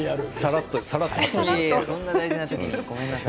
そんな大事な時にごめんなさい。